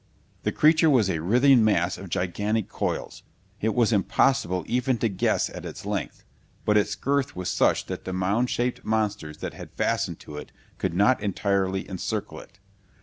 The creature was a writhing mass of gigantic coils. It was impossible even to guess at its length, but its girth was such that the mound shaped monsters that had fastened to it could not entirely encircle it.